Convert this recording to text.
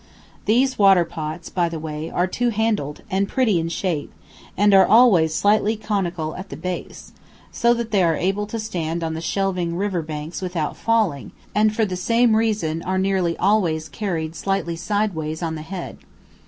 These water pots, by the way, are two handled, and pretty in shape, and are always slightly conical at the base, so that they are able to stand on the shelving river banks without falling, and for the same reason are nearly always carried slightly sideways on the head.